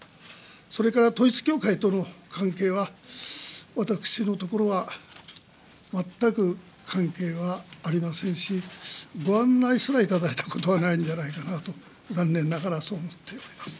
それから統一教会との関係は、私のところは全く関係はありませんし、ご案内すら頂いたことないんじゃないかなと、残念ながらそう思っております。